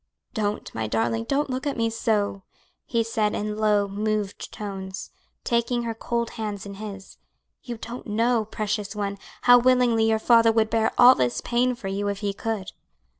"Don't, my darling, don't look at me so," he said in low, moved tones, taking her cold hands in his. "You don't know, precious one, how willingly your father would bear all this pain for you if he could."